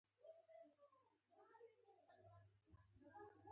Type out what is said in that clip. . دا تحقیر او سپکاوی تر هغه وخته ادامه پیدا کوي.